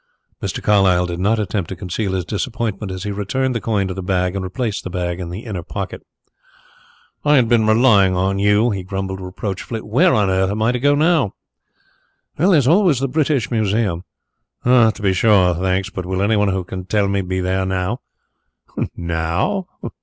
Mr. Carlyle did not attempt to conceal his disappointment as he returned the coin to the bag and replaced the bag in the inner pocket. "I had been relying on you," he grumbled reproachfully. "Where on earth am I to go now?" "There is always the British Museum." "Ah, to be sure, thanks. But will anyone who can tell me be there now?" "Now?